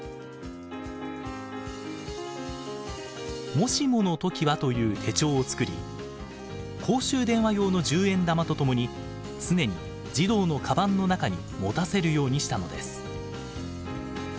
「もしものときは」という手帳を作り公衆電話用の十円玉と共に常に児童のカバンの中に持たせるようにしたのです。